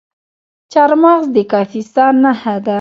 چهارمغز د کاپیسا نښه ده.